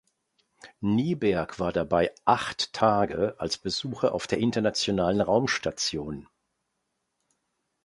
Nyberg war dabei acht Tage als Besucher auf der Internationalen Raumstation.